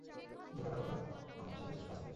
যদি আবার কখনো আমার সামনে আসিস, বাঁচবি না।